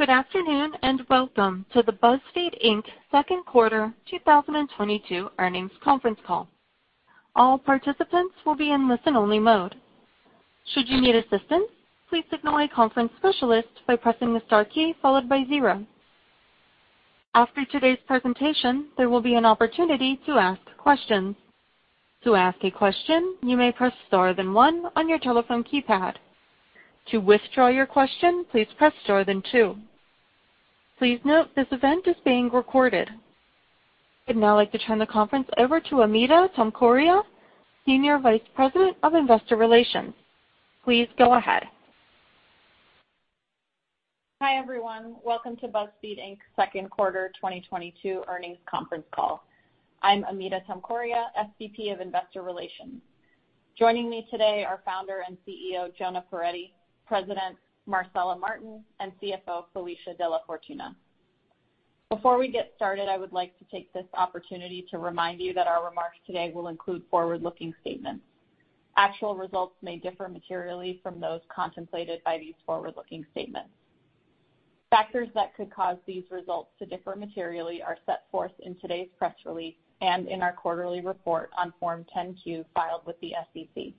Good afternoon, and welcome to the BuzzFeed Inc. second quarter 2022 earnings conference call. All participants will be in listen-only mode. Should you need assistance, please signal a conference specialist by pressing the star key followed by zero. After today's presentation, there will be an opportunity to ask questions. To ask a question, you may press star then one on your telephone keypad. To withdraw your question, please press star then two. Please note this event is being recorded. I'd now like to turn the conference over to Amita Tomkoria, Senior Vice President of Investor Relations. Please go ahead. Hi, everyone. Welcome to BuzzFeed Inc.'s second quarter 2022 earnings conference call. I'm Amita Tomkoria, SVP of Investor Relations. Joining me today are founder and CEO Jonah Peretti, President Marcela Martin, and CFO Felicia DellaFortuna. Before we get started, I would like to take this opportunity to remind you that our remarks today will include forward-looking statements. Actual results may differ materially from those contemplated by these forward-looking statements. Factors that could cause these results to differ materially are set forth in today's press release and in our quarterly report on Form 10-Q filed with the SEC.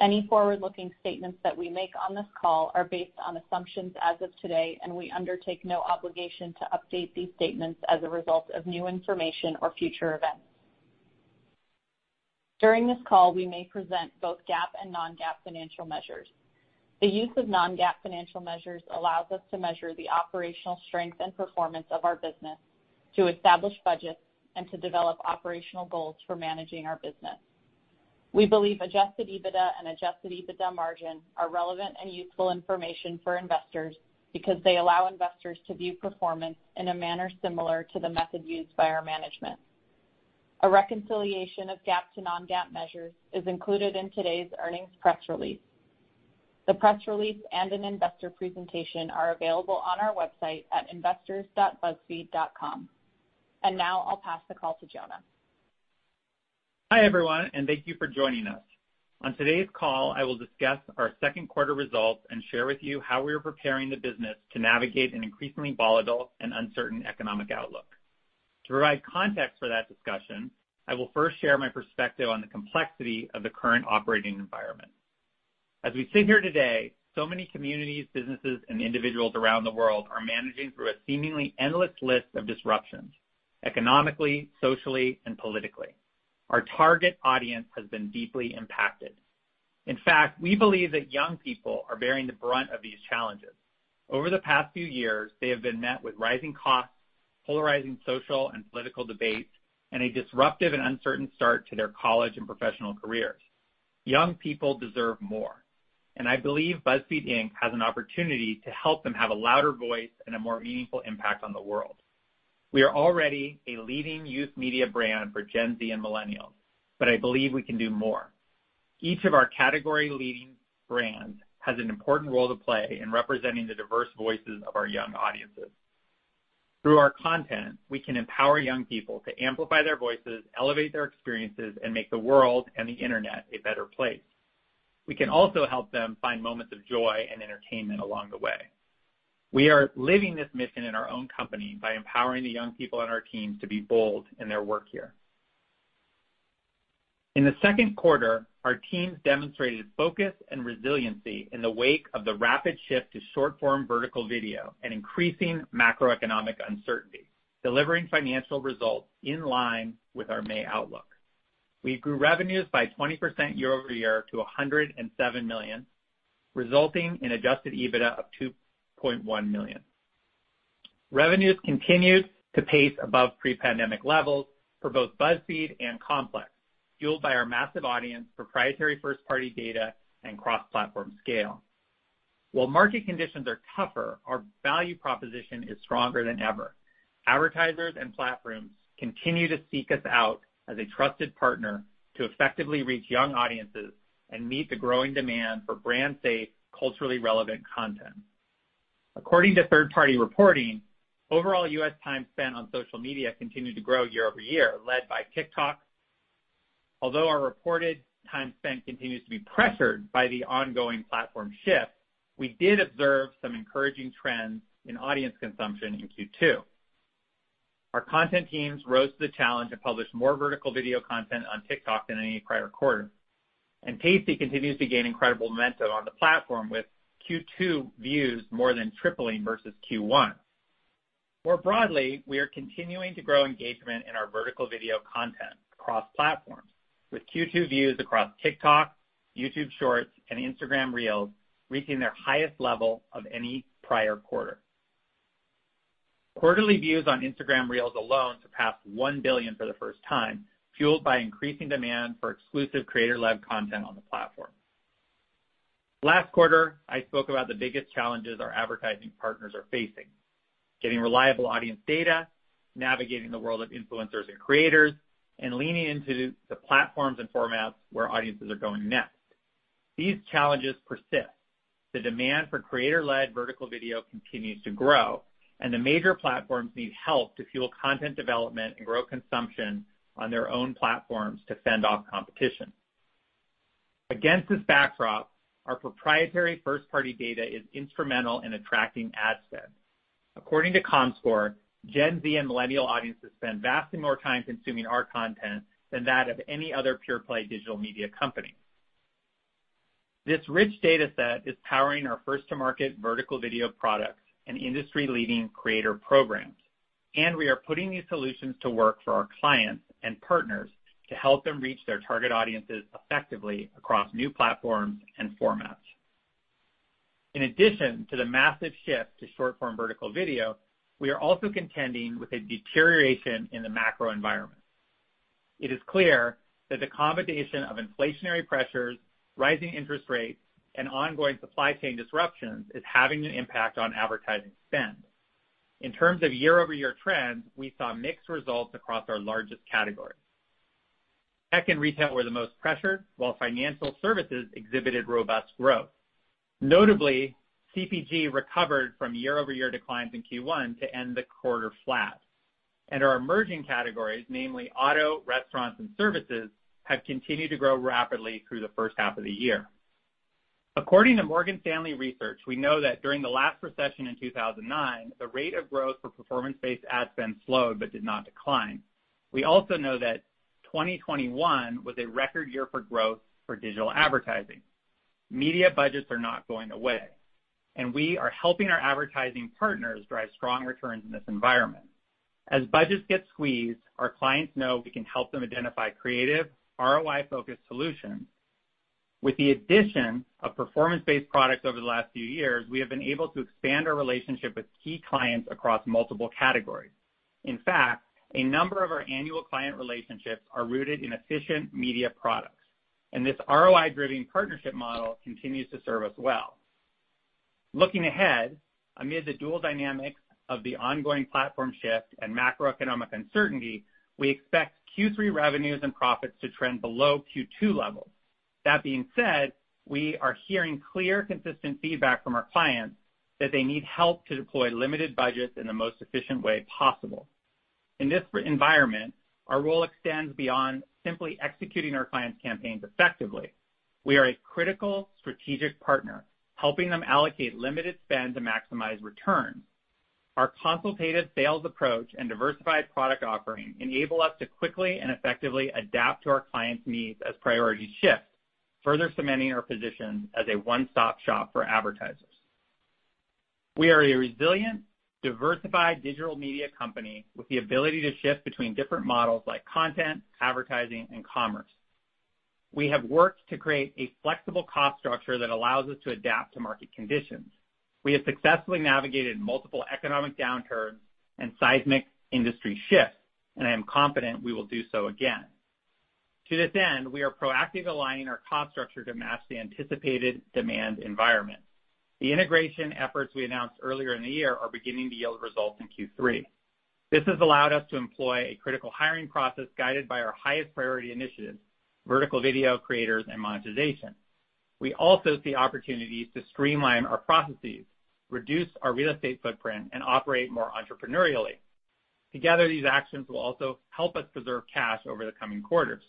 Any forward-looking statements that we make on this call are based on assumptions as of today, and we undertake no obligation to update these statements as a result of new information or future events. During this call, we may present both GAAP and non-GAAP financial measures. The use of non-GAAP financial measures allows us to measure the operational strength and performance of our business, to establish budgets, and to develop operational goals for managing our business. We believe adjusted EBITDA and adjusted EBITDA margin are relevant and useful information for investors because they allow investors to view performance in a manner similar to the method used by our management. A reconciliation of GAAP to non-GAAP measures is included in today's earnings press release. The press release and an investor presentation are available on our website at investors.buzzfeed.com. Now I'll pass the call to Jonah. Hi, everyone, and thank you for joining us. On today's call, I will discuss our second quarter results and share with you how we are preparing the business to navigate an increasingly volatile and uncertain economic outlook. To provide context for that discussion, I will first share my perspective on the complexity of the current operating environment. As we sit here today, so many communities, businesses, and individuals around the world are managing through a seemingly endless list of disruptions economically, socially, and politically. Our target audience has been deeply impacted. In fact, we believe that young people are bearing the brunt of these challenges. Over the past few years, they have been met with rising costs, polarizing social and political debates, and a disruptive and uncertain start to their college and professional careers. Young people deserve more, and I believe BuzzFeed Inc. has an opportunity to help them have a louder voice and a more meaningful impact on the world. We are already a leading youth media brand for Gen Z and millennials, but I believe we can do more. Each of our category leading brands has an important role to play in representing the diverse voices of our young audiences. Through our content, we can empower young people to amplify their voices, elevate their experiences, and make the world and the internet a better place. We can also help them find moments of joy and entertainment along the way. We are living this mission in our own company by empowering the young people on our teams to be bold in their work here. In the second quarter, our teams demonstrated focus and resiliency in the wake of the rapid shift to short-form vertical video and increasing macroeconomic uncertainty, delivering financial results in line with our May outlook. We grew revenues by 20% year-over-year to $107 million, resulting in adjusted EBITDA of $2.1 million. Revenues continued to pace above pre-pandemic levels for both BuzzFeed and Complex, fueled by our massive audience, proprietary first-party data, and cross-platform scale. While market conditions are tougher, our value proposition is stronger than ever. Advertisers and platforms continue to seek us out as a trusted partner to effectively reach young audiences and meet the growing demand for brand safe, culturally relevant content. According to third-party reporting, overall U.S. time spent on social media continued to grow year-over-year, led by TikTok. Although our reported time spent continues to be pressured by the ongoing platform shift, we did observe some encouraging trends in audience consumption in Q2. Our content teams rose to the challenge and published more vertical video content on TikTok than any prior quarter. Tasty continues to gain incredible momentum on the platform with Q2 views more than tripling versus Q1. More broadly, we are continuing to grow engagement in our vertical video content across platforms with Q2 views across TikTok, YouTube Shorts, and Instagram Reels reaching their highest level of any prior quarter. Quarterly views on Instagram Reels alone surpassed 1 billion for the first time, fueled by increasing demand for exclusive creator-led content on the platform. Last quarter, I spoke about the biggest challenges our advertising partners are facing. Getting reliable audience data, navigating the world of influencers and creators, and leaning into the platforms and formats where audiences are going next. These challenges persist. The demand for creator-led vertical video continues to grow, and the major platforms need help to fuel content development and grow consumption on their own platforms to fend off competition. Against this backdrop, our proprietary first-party data is instrumental in attracting ad spend. According to Comscore, Gen Z and millennial audiences spend vastly more time consuming our content than that of any other pure-play digital media company. This rich data set is powering our first-to-market vertical video products and industry-leading creator programs. We are putting these solutions to work for our clients and partners to help them reach their target audiences effectively across new platforms and formats. In addition to the massive shift to short-form vertical video, we are also contending with a deterioration in the macro environment. It is clear that the combination of inflationary pressures, rising interest rates, and ongoing supply chain disruptions is having an impact on advertising spend. In terms of year-over-year trends, we saw mixed results across our largest categories. Tech and retail were the most pressured, while financial services exhibited robust growth. Notably, CPG recovered from year-over-year declines in Q1 to end the quarter flat. Our emerging categories, namely auto, restaurants, and services, have continued to grow rapidly through the first half of the year. According to Morgan Stanley Research, we know that during the last recession in 2009, the rate of growth for performance-based ad spend slowed but did not decline. We also know that 2021 was a record year for growth for digital advertising. Media budgets are not going away, and we are helping our advertising partners drive strong returns in this environment. As budgets get squeezed, our clients know we can help them identify creative ROI-focused solutions. With the addition of performance-based products over the last few years, we have been able to expand our relationship with key clients across multiple categories. In fact, a number of our annual client relationships are rooted in efficient media products, and this ROI-driven partnership model continues to serve us well. Looking ahead, amid the dual dynamics of the ongoing platform shift and macroeconomic uncertainty, we expect Q3 revenues and profits to trend below Q2 levels. That being said, we are hearing clear, consistent feedback from our clients that they need help to deploy limited budgets in the most efficient way possible. In this environment, our role extends beyond simply executing our clients' campaigns effectively. We are a critical strategic partner, helping them allocate limited spend to maximize return. Our consultative sales approach and diversified product offering enable us to quickly and effectively adapt to our clients' needs as priorities shift, further cementing our position as a one-stop shop for advertisers. We are a resilient, diversified digital media company with the ability to shift between different models like content, advertising, and commerce. We have worked to create a flexible cost structure that allows us to adapt to market conditions. We have successfully navigated multiple economic downturns and seismic industry shifts, and I am confident we will do so again. To this end, we are proactively aligning our cost structure to match the anticipated demand environment. The integration efforts we announced earlier in the year are beginning to yield results in Q3. This has allowed us to employ a critical hiring process guided by our highest priority initiatives, vertical video creators and monetization. We also see opportunities to streamline our processes, reduce our real estate footprint, and operate more entrepreneurially. Together, these actions will also help us preserve cash over the coming quarters.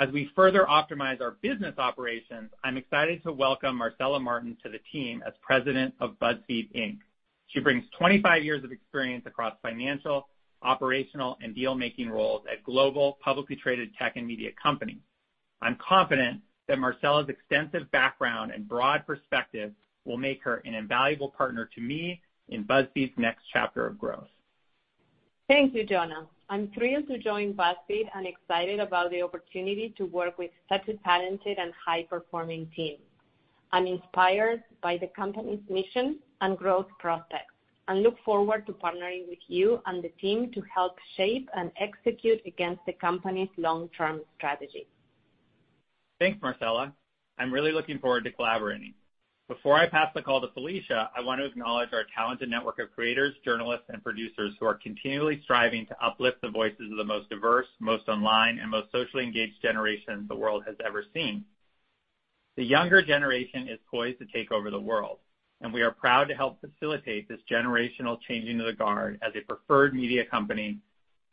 As we further optimize our business operations, I'm excited to welcome Marcela Martin to the team as President of BuzzFeed Inc. She brings 25 years of experience across financial, operational, and deal-making roles at global publicly traded tech and media companies. I'm confident that Marcela's extensive background and broad perspective will make her an invaluable partner to me in BuzzFeed's next chapter of growth. Thank you, Jonah. I'm thrilled to join BuzzFeed and excited about the opportunity to work with such a talented and high-performing team. I'm inspired by the company's mission and growth prospects and look forward to partnering with you and the team to help shape and execute against the company's long-term strategy. Thanks, Marcela. I'm really looking forward to collaborating. Before I pass the call to Felicia, I want to acknowledge our talented network of creators, journalists, and producers who are continually striving to uplift the voices of the most diverse, most online, and most socially engaged generation the world has ever seen. The younger generation is poised to take over the world, and we are proud to help facilitate this generational changing of the guard as a preferred media company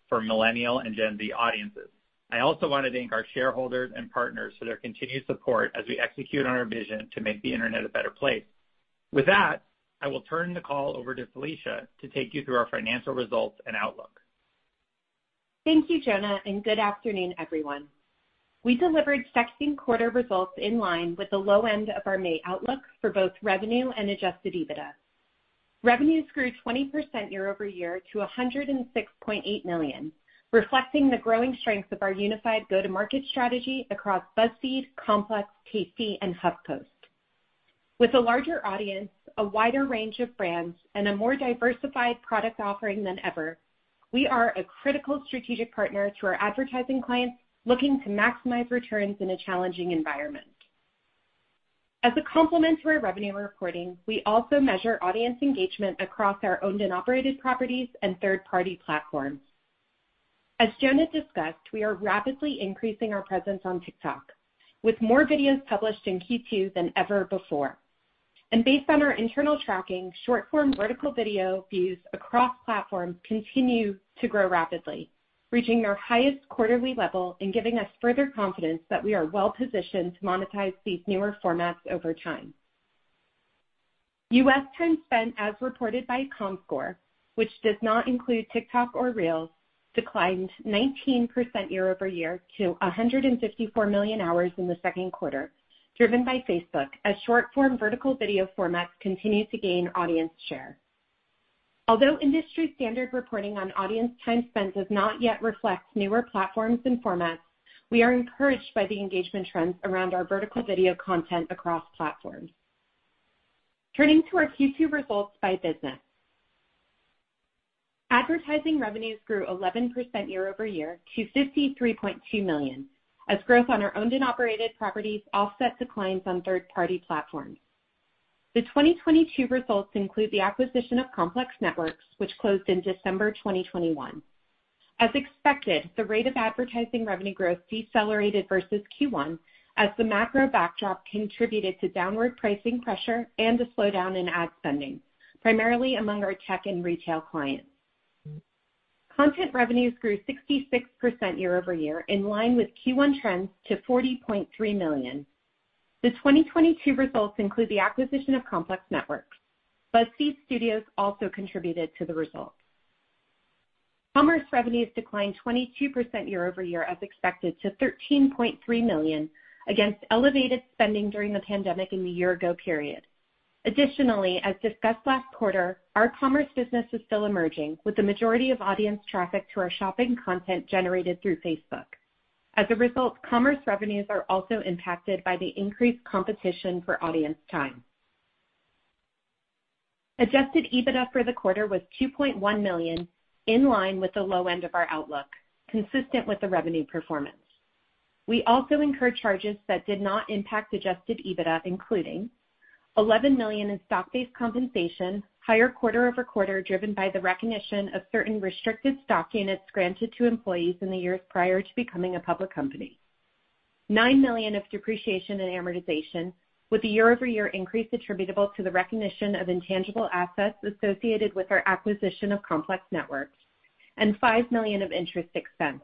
for millennial and Gen Z audiences. I also want to thank our shareholders and partners for their continued support as we execute on our vision to make the internet a better place. With that, I will turn the call over to Felicia to take you through our financial results and outlook. Thank you, Jonah, and good afternoon, everyone. We delivered second quarter results in line with the low end of our May outlook for both revenue and adjusted EBITDA. Revenues grew 20% year-over-year to $106.8 million, reflecting the growing strength of our unified go-to-market strategy across BuzzFeed, Complex, Tasty, and HuffPost. With a larger audience, a wider range of brands, and a more diversified product offering than ever, we are a critical strategic partner to our advertising clients looking to maximize returns in a challenging environment. As a complement to our revenue reporting, we also measure audience engagement across our owned and operated properties and third-party platforms. As Jonah discussed, we are rapidly increasing our presence on TikTok, with more videos published in Q2 than ever before. Based on our internal tracking, short form vertical video views across platforms continue to grow rapidly, reaching their highest quarterly level and giving us further confidence that we are well-positioned to monetize these newer formats over time. U.S. time spent as reported by Comscore, which does not include TikTok or Reels, declined 19% year-over-year to 154 million hours in the second quarter, driven by Facebook, as short form vertical video formats continue to gain audience share. Although industry standard reporting on audience time spent does not yet reflect newer platforms and formats, we are encouraged by the engagement trends around our vertical video content across platforms. Turning to our Q2 results by business. Advertising revenues grew 11% year-over-year to $53.2 million, as growth on our owned and operated properties offset declines on third-party platforms. The 2022 results include the acquisition of Complex Networks, which closed in December 2021. As expected, the rate of advertising revenue growth decelerated versus Q1 as the macro backdrop contributed to downward pricing pressure and a slowdown in ad spending, primarily among our tech and retail clients. Content revenues grew 66% year-over-year, in line with Q1 trends to $40.3 million. The 2022 results include the acquisition of Complex Networks, but BuzzFeed Studios also contributed to the results. Commerce revenues declined 22% year-over-year as expected to $13.3 million against elevated spending during the pandemic in the year ago period. Additionally, as discussed last quarter, our commerce business is still emerging, with the majority of audience traffic to our shopping content generated through Facebook. As a result, commerce revenues are also impacted by the increased competition for audience time. Adjusted EBITDA for the quarter was $2.1 million, in line with the low end of our outlook, consistent with the revenue performance. We also incurred charges that did not impact adjusted EBITDA, including $11 million in stock-based compensation, higher quarter-over-quarter, driven by the recognition of certain restricted stock units granted to employees in the years prior to becoming a public company. $9 million of depreciation and amortization, with the year-over-year increase attributable to the recognition of intangible assets associated with our acquisition of Complex Networks, and $5 million of interest expense,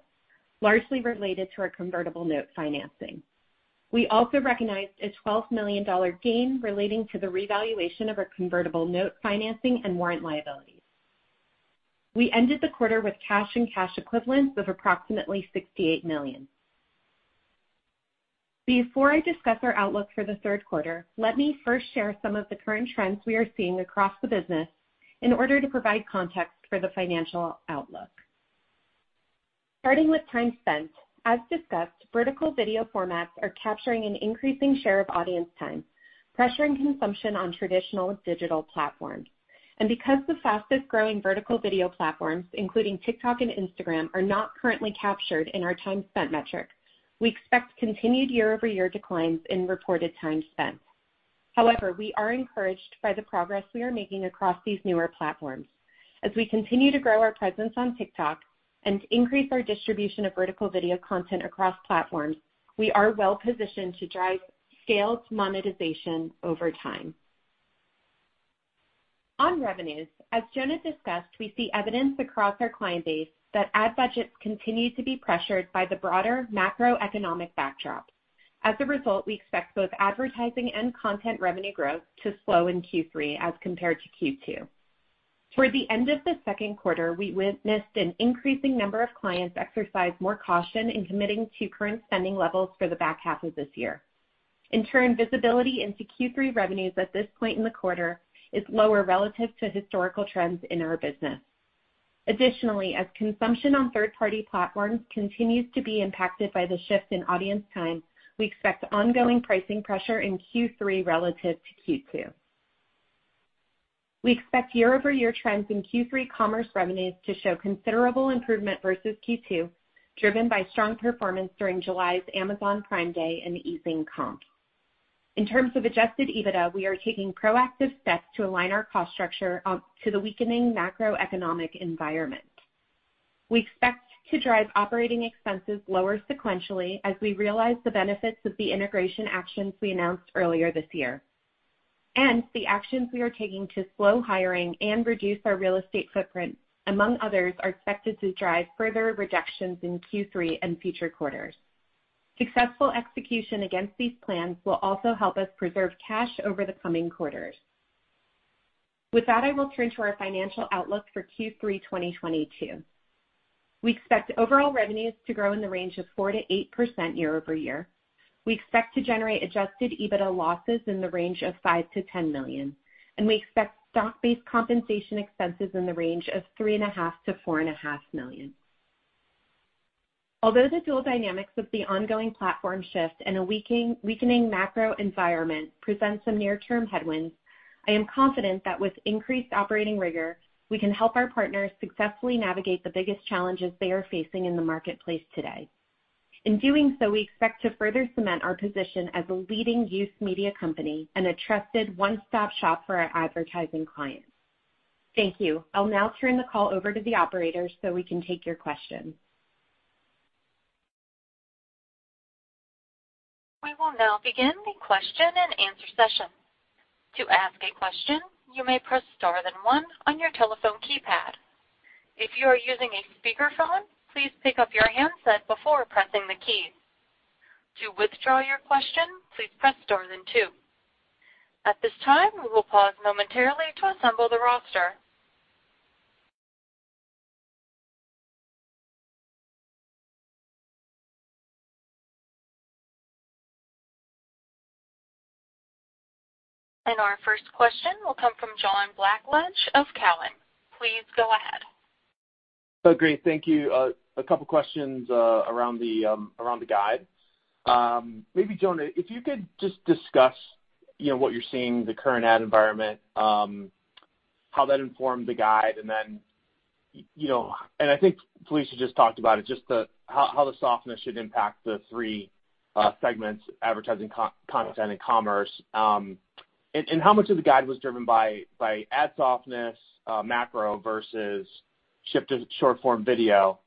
largely related to our convertible note financing. We also recognized a $12 million gain relating to the revaluation of our convertible note financing and warrant liabilities. We ended the quarter with cash and cash equivalents of approximately $68 million. Before I discuss our outlook for the third quarter, let me first share some of the current trends we are seeing across the business in order to provide context for the financial outlook. Starting with time spent, as discussed, vertical video formats are capturing an increasing share of audience time, pressuring consumption on traditional digital platforms. Because the fastest-growing vertical video platforms, including TikTok and Instagram, are not currently captured in our time spent metric, we expect continued year-over-year declines in reported time spent. However, we are encouraged by the progress we are making across these newer platforms. As we continue to grow our presence on TikTok and increase our distribution of vertical video content across platforms, we are well-positioned to drive scaled monetization over time. On revenues, as Jonah discussed, we see evidence across our client base that ad budgets continue to be pressured by the broader macroeconomic backdrop. As a result, we expect both advertising and content revenue growth to slow in Q3 as compared to Q2. Toward the end of the second quarter, we witnessed an increasing number of clients exercise more caution in committing to current spending levels for the back half of this year. In turn, visibility into Q3 revenues at this point in the quarter is lower relative to historical trends in our business. Additionally, as consumption on third-party platforms continues to be impacted by the shift in audience time, we expect ongoing pricing pressure in Q3 relative to Q2. We expect year-over-year trends in Q3 commerce revenues to show considerable improvement versus Q2, driven by strong performance during July's Amazon Prime Day and the easing comps. In terms of adjusted EBITDA, we are taking proactive steps to align our cost structure to the weakening macroeconomic environment. We expect to drive operating expenses lower sequentially as we realize the benefits of the integration actions we announced earlier this year. The actions we are taking to slow hiring and reduce our real estate footprint, among others, are expected to drive further reductions in Q3 and future quarters. Successful execution against these plans will also help us preserve cash over the coming quarters. With that, I will turn to our financial outlook for Q3 2022. We expect overall revenues to grow in the range of 4%-8% year-over-year. We expect to generate adjusted EBITDA losses in the range of $5 million-$10 million, and we expect stock-based compensation expenses in the range of $3.5 million-$4.5 million. Although the dual dynamics of the ongoing platform shift and a weakening macro environment present some near-term headwinds, I am confident that with increased operating rigor, we can help our partners successfully navigate the biggest challenges they are facing in the marketplace today. In doing so, we expect to further cement our position as a leading youth media company and a trusted one-stop shop for our advertising clients. Thank you. I'll now turn the call over to the operators so we can take your questions. We will now begin the question and answer session. To ask a question, you may press Star then One on your telephone keypad. If you are using a speakerphone, please pick up your handset before pressing the keys. To withdraw your question, please press Star then Two. At this time, we will pause momentarily to assemble the roster. Our first question will come from John Blackledge of Cowen. Please go ahead. Oh, great. Thank you. A couple questions around the guide. Maybe Jonah, if you could just discuss, you know, what you're seeing the current ad environment, how that informed the guide, and then, you know, I think Felicia just talked about it, how the softness should impact the three segments, advertising, content and commerce. And how much of the guide was driven by ad softness, macro versus shift to short-form video.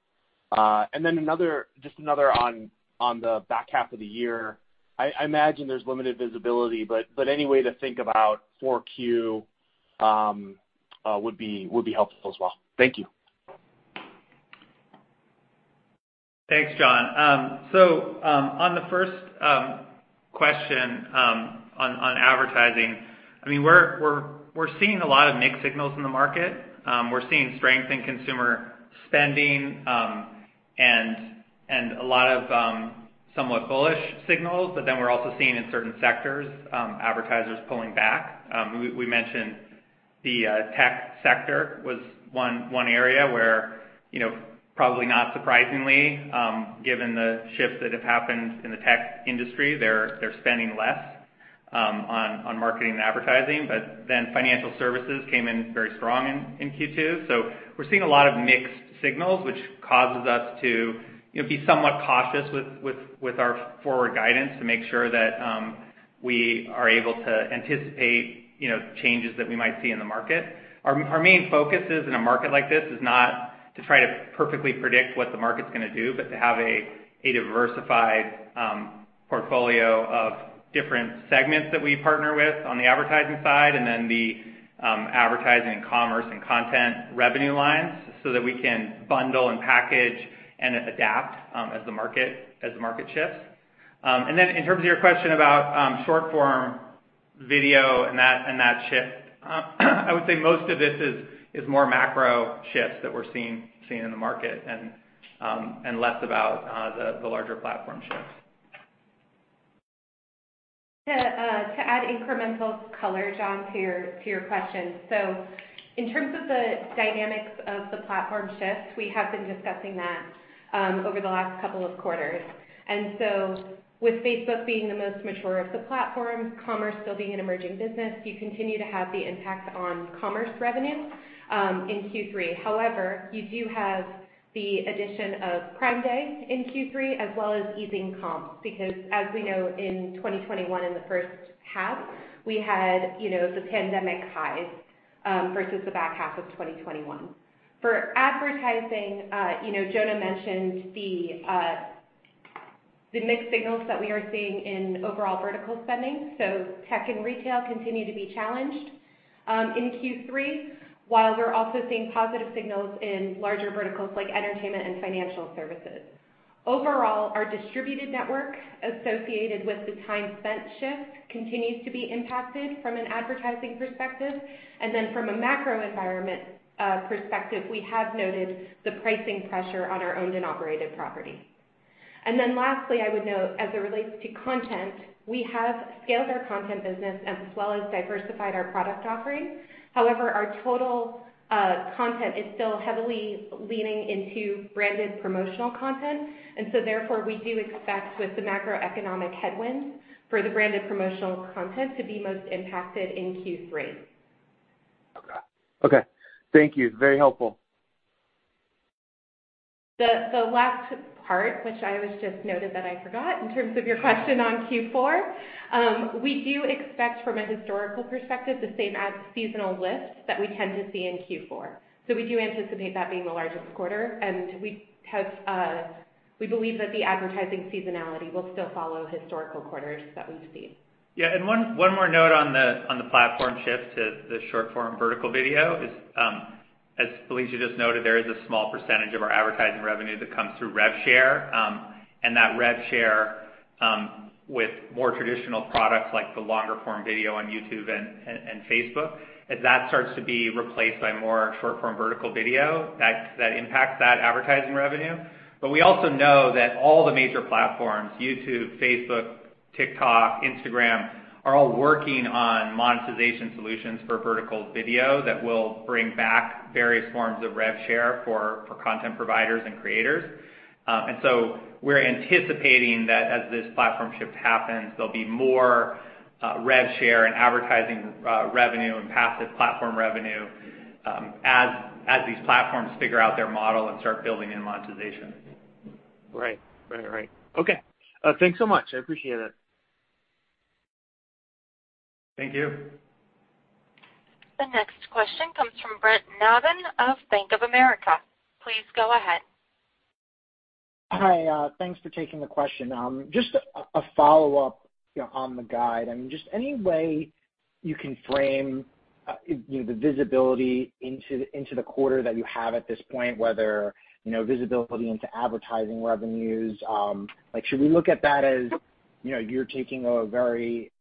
And then another on the back half of the year. I imagine there's limited visibility, but any way to think about Q4 would be helpful as well. Thank you. Thanks, John. On the first question on advertising, I mean, we're seeing a lot of mixed signals in the market. We're seeing strength in consumer spending and a lot of somewhat bullish signals, but then we're also seeing in certain sectors advertisers pulling back. We mentioned the tech sector was one area where, you know, probably not surprisingly, given the shifts that have happened in the tech industry, they're spending less on marketing and advertising. Financial services came in very strong in Q2. We're seeing a lot of mixed signals, which causes us to, you know, be somewhat cautious with our forward guidance to make sure that we are able to anticipate, you know, changes that we might see in the market. Our main focus in a market like this is not to try to perfectly predict what the market's gonna do, but to have a diversified portfolio of different segments that we partner with on the advertising side and then the advertising, commerce and content revenue lines so that we can bundle and package and adapt as the market shifts. In terms of your question about short-form video and that shift, I would say most of this is more macro shifts that we're seeing in the market and less about the larger platform shifts. To add incremental color, John, to your question. In terms of the dynamics of the platform shift, we have been discussing that over the last couple of quarters. With Facebook being the most mature of the platforms, commerce still being an emerging business, you continue to have the impact on commerce revenue in Q3. However, you do have the addition of Prime Day in Q3, as well as easing comps, because as we know, in 2021 in the first half, we had, you know, the pandemic highs versus the back half of 2021. For advertising, you know, Jonah mentioned the mixed signals that we are seeing in overall vertical spending. Tech and retail continue to be challenged in Q3, while we're also seeing positive signals in larger verticals like entertainment and financial services. Overall, our distributed network associated with the time spent shift continues to be impacted from an advertising perspective. From a macro environment perspective, we have noted the pricing pressure on our owned and operated property. Lastly, I would note, as it relates to content, we have scaled our content business as well as diversified our product offering. However, our total content is still heavily leaning into branded promotional content. Therefore, we do expect with the macroeconomic headwind for the branded promotional content to be most impacted in Q3. Okay. Thank you. Very helpful. The last part, which I just noted that I forgot in terms of your question on Q4, we do expect from a historical perspective, the same ad seasonal lift that we tend to see in Q4. We do anticipate that being the largest quarter, and we have, we believe that the advertising seasonality will still follow historical quarters that we've seen. Yeah. One more note on the platform shift to the short-form vertical video is, as Felicia just noted, there is a small percentage of our advertising revenue that comes through rev share. That rev share with more traditional products like the longer form video on YouTube and Facebook, as that starts to be replaced by more short-form vertical video, that impacts that advertising revenue. We also know that all the major platforms, YouTube, Facebook, TikTok, Instagram, are all working on monetization solutions for vertical video that will bring back various forms of rev share for content providers and creators. We're anticipating that as this platform shift happens, there'll be more rev share and advertising revenue and passive platform revenue, as these platforms figure out their model and start building in monetization. Right. Okay. Thanks so much. I appreciate it. Thank you. The next question comes from Brent Navon of Bank of America. Please go ahead. Hi. Thanks for taking the question. Just a follow-up, you know, on the guide. I mean, just any way you can frame, you know, the visibility into the quarter that you have at this point, whether, you know, visibility into advertising revenues. Like should we look at that as, you know, you're taking a very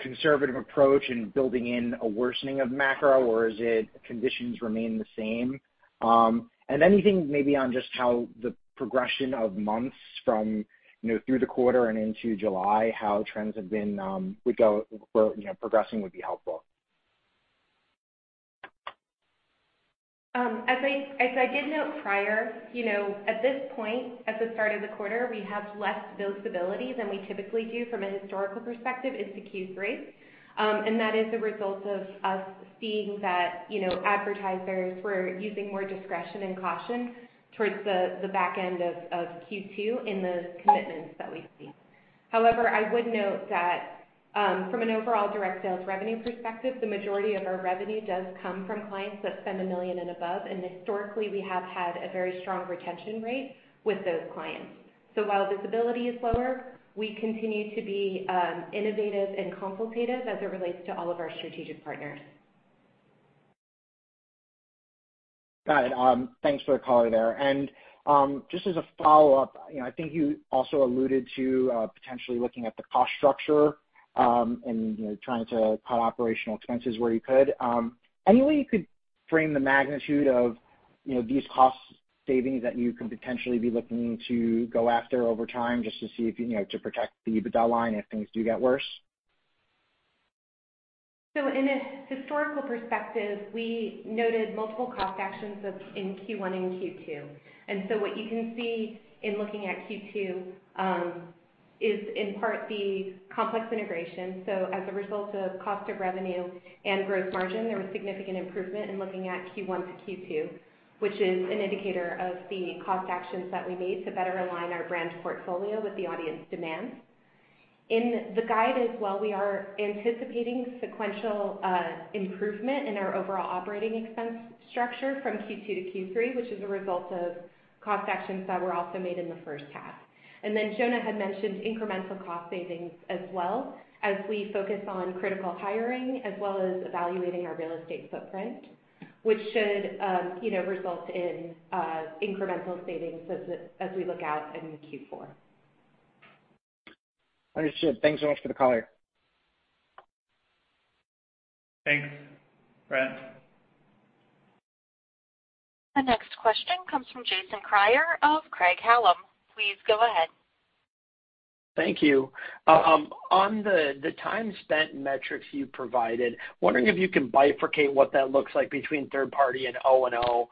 conservative approach and building in a worsening of macro, or is it conditions remain the same? And anything maybe on just how the progression of months from, you know, through the quarter and into July, how trends have been, would go, or, you know, progressing would be helpful. As I did note prior, you know, at this point, at the start of the quarter, we have less visibility than we typically do from a historical perspective into Q3. That is a result of us seeing that, you know, advertisers were using more discretion and caution towards the back end of Q2 in the commitments that we've seen. However, I would note that, from an overall direct sales revenue perspective, the majority of our revenue does come from clients that spend a million and above, and historically, we have had a very strong retention rate with those clients. While visibility is lower, we continue to be innovative and consultative as it relates to all of our strategic partners. Got it. Thanks for the color there. Just as a follow-up, you know, I think you also alluded to potentially looking at the cost structure, and, you know, trying to cut operational expenses where you could. Any way you could frame the magnitude of, you know, these cost savings that you could potentially be looking to go after over time just to see if, you know, to protect the EBITDA line if things do get worse? In a historical perspective, we noted multiple cost actions in Q1 and Q2. What you can see in looking at Q2 is in part the Complex integration. As a result of cost of revenue and gross margin, there was significant improvement in looking at Q1 to Q2, which is an indicator of the cost actions that we made to better align our brand portfolio with the audience demands. In the guide as well, we are anticipating sequential improvement in our overall operating expense structure from Q2 to Q3, which is a result of cost actions that were also made in the first half. Jonah had mentioned incremental cost savings as well as we focus on critical hiring, as well as evaluating our real estate footprint, which should you know result in incremental savings as we look out into Q4. Understood. Thanks so much for the color. Thanks, Brent. The next question comes from Jason Kreyer of Craig-Hallum. Please go ahead. Thank you. On the time spent metrics you provided, wondering if you can bifurcate what that looks like between third-party and O&O?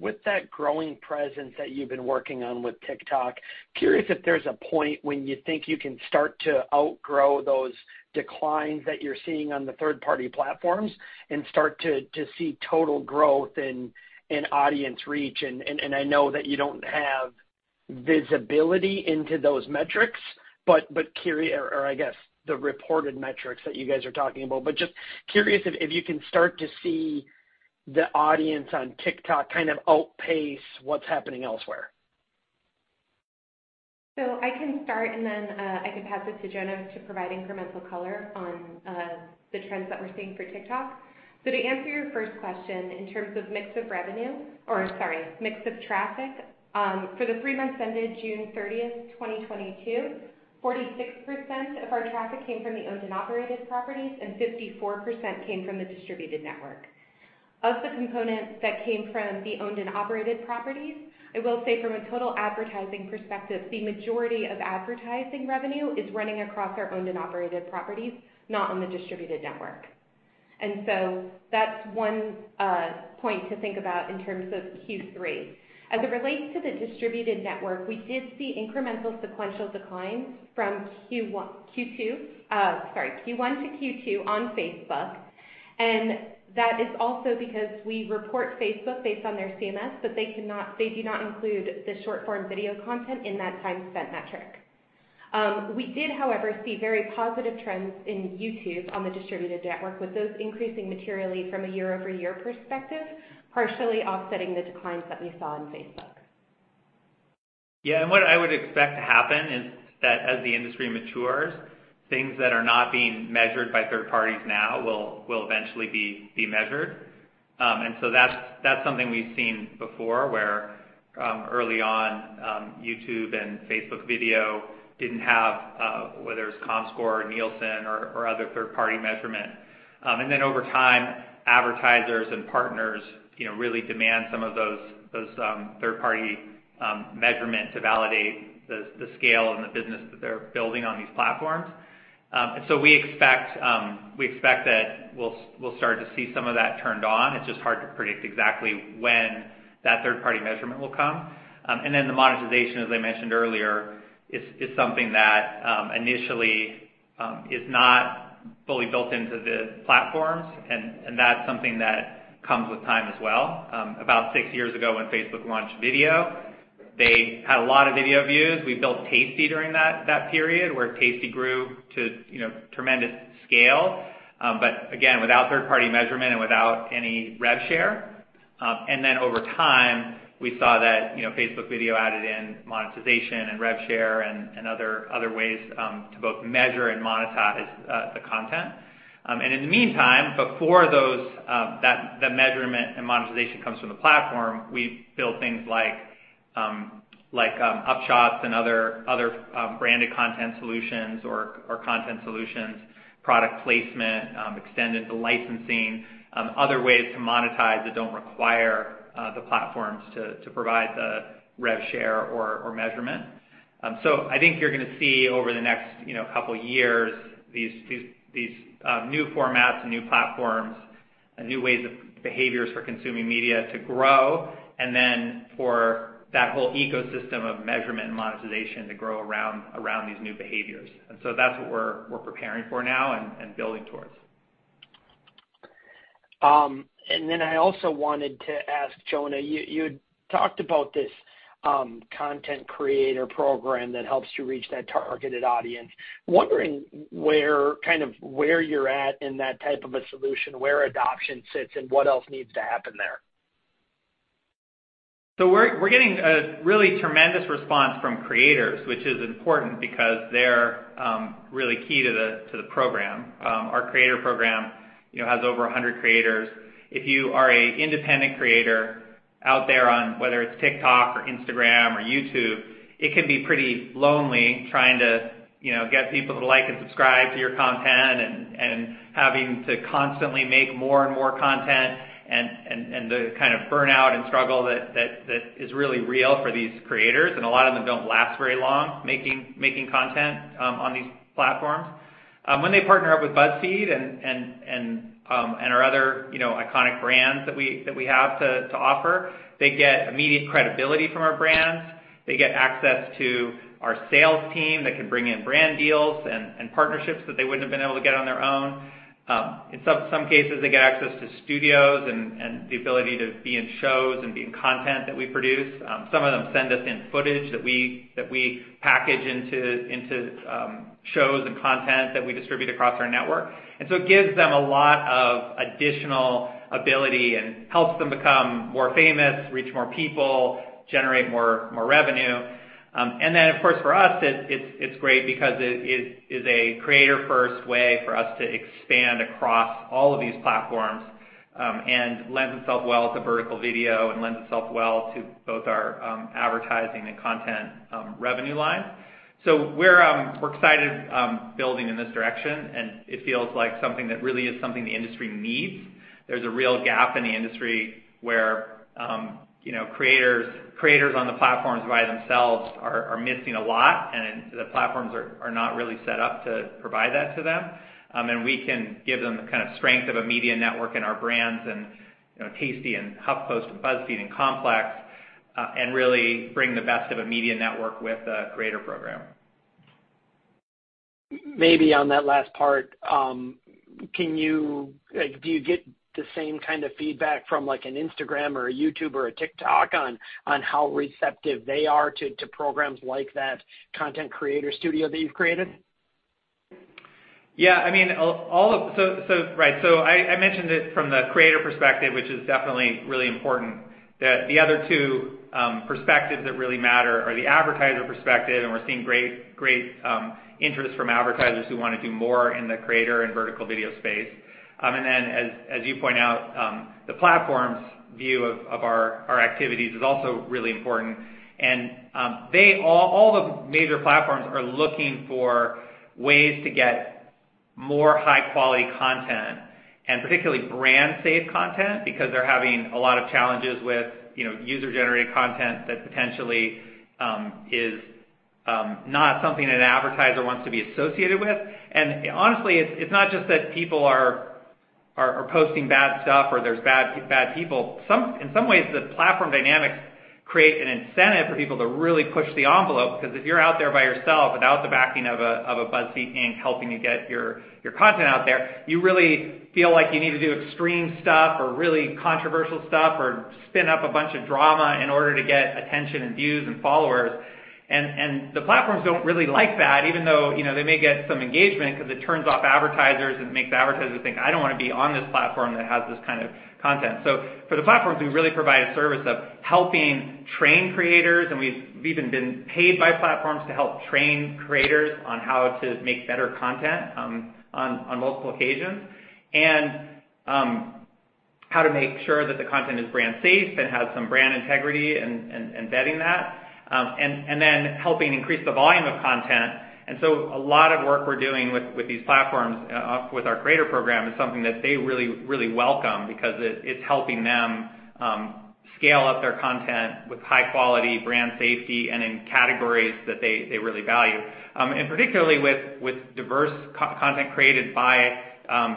With that growing presence that you've been working on with TikTok, curious if there's a point when you think you can start to outgrow those declines that you're seeing on the third-party platforms and start to see total growth in audience reach. I know that you don't have visibility into those metrics, but I guess, the reported metrics that you guys are talking about, but just curious if you can start to see the audience on TikTok kind of outpace what's happening elsewhere. I can start, and then I can pass it to Jonah to provide incremental color on the trends that we're seeing for TikTok. To answer your first question, in terms of mix of revenue, or sorry, mix of traffic, for the three months ended June 30, 2022, 46% of our traffic came from the owned and operated properties, and 54% came from the distributed network. Of the components that came from the owned and operated properties, I will say from a total advertising perspective, the majority of advertising revenue is running across our owned and operated properties, not on the distributed network. That's one point to think about in terms of Q3. As it relates to the distributed network, we did see incremental sequential declines from Q1 to Q2 on Facebook. That is also because we report Facebook based on their CMS, but they do not include the short-form video content in that time spent metric. We did, however, see very positive trends in YouTube on the distributed network, with those increasing materially from a year-over-year perspective, partially offsetting the declines that we saw on Facebook. What I would expect to happen is that as the industry matures, things that are not being measured by third parties now will eventually be measured. That's something we've seen before, where early on, YouTube and Facebook Video didn't have whether it's Comscore, or Nielsen or other third-party measurement. Over time, advertisers and partners, you know, really demand some of those third-party measurement to validate the scale and the business that they're building on these platforms. We expect that we'll start to see some of that turned on. It's just hard to predict exactly when that third-party measurement will come. The monetization, as I mentioned earlier, is something that initially is not fully built into the platforms, and that's something that comes with time as well. About six years ago, when Facebook launched Video They had a lot of video views. We built Tasty during that period, where Tasty grew to, you know, tremendous scale. Again, without third-party measurement and without any rev share. Over time, we saw that, you know, Facebook Video added in monetization and rev share and other ways to both measure and monetize the content. In the meantime, before those, the measurement and monetization comes from the platform, we build things like UpShots and other branded content solutions or content solutions, product placement, extended to licensing, other ways to monetize that don't require the platforms to provide the rev share or measurement. I think you're gonna see over the next, you know, couple years, these new formats and new platforms and new ways of behaviors for consuming media to grow, and then for that whole ecosystem of measurement and monetization to grow around these new behaviors. That's what we're preparing for now and building towards. I also wanted to ask Jonah, you had talked about this content creator program that helps you reach that targeted audience. Wondering where kind of you're at in that type of a solution, where adoption sits and what else needs to happen there. We're getting a really tremendous response from creators, which is important because they're really key to the program. Our creator program, you know, has over 100 creators. If you are an independent creator out there on whether it's TikTok or Instagram or YouTube, it can be pretty lonely trying to, you know, get people to like and subscribe to your content and the kind of burnout and struggle that is really real for these creators. A lot of them don't last very long making content on these platforms. When they partner up with BuzzFeed and our other, you know, iconic brands that we have to offer, they get immediate credibility from our brands. They get access to our sales team that can bring in brand deals and partnerships that they wouldn't have been able to get on their own. In some cases, they get access to studios and the ability to be in shows and be in content that we produce. Some of them send us footage that we package into shows and content that we distribute across our network. It gives them a lot of additional ability and helps them become more famous, reach more people, generate more revenue. Of course for us, it's great because it is a creator-first way for us to expand across all of these platforms, and lends itself well to vertical video and lends itself well to both our advertising and content revenue lines. We're excited building in this direction, and it feels like something that really is something the industry needs. There's a real gap in the industry where you know creators on the platforms by themselves are missing a lot, and the platforms are not really set up to provide that to them. We can give them the kind of strength of a media network in our brands and you know Tasty and HuffPost and BuzzFeed and Complex and really bring the best of a media network with a creator program. Maybe on that last part, do you get the same kind of feedback from like an Instagram or a YouTube or a TikTok on how receptive they are to programs like that content creator studio that you've created? Yeah, I mean. Right. I mentioned it from the creator perspective, which is definitely really important. The other two perspectives that really matter are the advertiser perspective, and we're seeing great interest from advertisers who wanna do more in the creator and vertical video space. Then as you point out, the platform's view of our activities is also really important. All the major platforms are looking for ways to get more high-quality content and particularly brand safe content because they're having a lot of challenges with you know, user-generated content that potentially is not something that an advertiser wants to be associated with. Honestly, it's not just that people are posting bad stuff or there's bad people. In some ways, the platform dynamics create an incentive for people to really push the envelope, because if you're out there by yourself without the backing of a BuzzFeed, Inc. helping you get your content out there, you really feel like you need to do extreme stuff or really controversial stuff or spin up a bunch of drama in order to get attention and views and followers. The platforms don't really like that even though, you know, they may get some engagement because it turns off advertisers and makes advertisers think, "I don't wanna be on this platform that has this kind of content." For the platforms, we really provide a service of helping train creators, and we've even been paid by platforms to help train creators on how to make better content on multiple occasions. How to make sure that the content is brand safe and has some brand integrity and embedding that. Helping increase the volume of content. A lot of work we're doing with these platforms with our creator program is something that they really welcome because it's helping them scale up their content with high quality brand safety and in categories that they really value. Particularly with diverse co-created content created by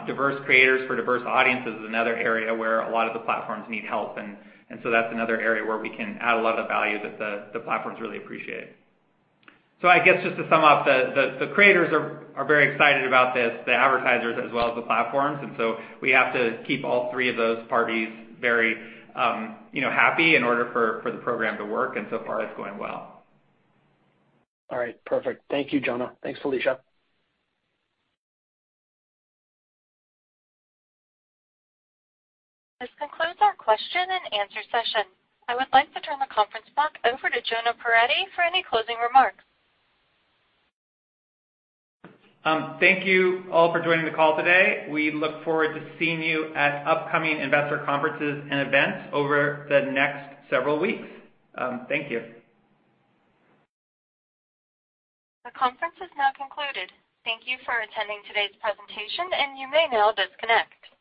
diverse creators for diverse audiences is another area where a lot of the platforms need help. That's another area where we can add a lot of value that the platforms really appreciate. I guess just to sum up, the creators are very excited about this, the advertisers as well as the platforms. We have to keep all three of those parties very, you know, happy in order for the program to work, and so far it's going well. All right. Perfect. Thank you, Jonah. Thanks, Felicia. This concludes our question and answer session. I would like to turn the conference back over to Jonah Peretti for any closing remarks. Thank you all for joining the call today. We look forward to seeing you at upcoming investor conferences and events over the next several weeks. Thank you. The conference is now concluded. Thank you for attending today's presentation, and you may now disconnect.